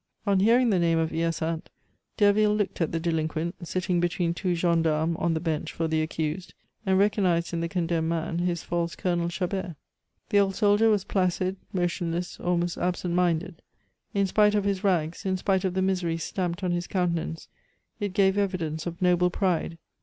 On hearing the name of Hyacinthe, Derville looked at the deliquent, sitting between two gendarmes on the bench for the accused, and recognized in the condemned man his false Colonel Chabert. The old soldier was placid, motionless, almost absentminded. In spite of his rags, in spite of the misery stamped on his countenance, it gave evidence of noble pride.